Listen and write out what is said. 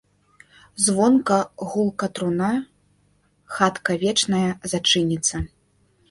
Звонка, гулка труна, хатка вечная, зачыніцца.